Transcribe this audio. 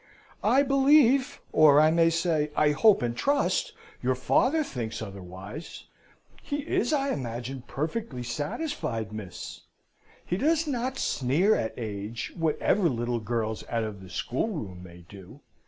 "I believe, or I may say, I hope and trust, your father thinks otherwise. He is, I imagine, perfectly satisfied, miss. He does not sneer at age, whatever little girls out of the schoolroom may do.